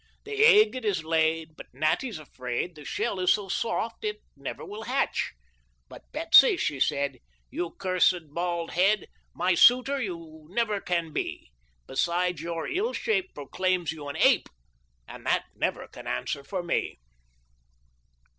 The egg it is laid, but Natty's afraid The shell is so soft it never will hatch, But Betsy, she said, ' You cursed bald head, My suitor you never can be. Besides your ill shape proclaims you an ape. And that never can answer for me."